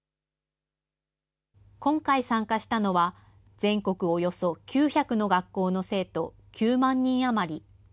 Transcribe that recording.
今回参加したのは、全国およそ９００の学校の生徒９万人余り。